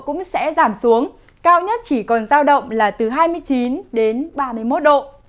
cũng sẽ giảm xuống cao nhất chỉ còn giao động là từ hai mươi chín đến ba mươi một độ